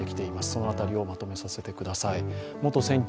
その辺りをまとめさせてください。